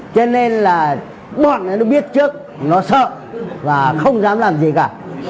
cho nên là bọn nó biết trước nó sợ và không dám làm gì cả